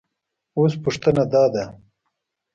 اوس پوښتنه دا ده